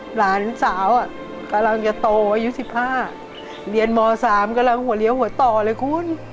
หลานสาวกำลังจะโตอายุ๑๕เรียนม๓กำลังหัวเลี้ยวหัวต่อเลยคุณ